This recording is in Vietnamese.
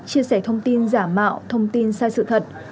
chia sẻ thông tin giả mạo thông tin sai sự thật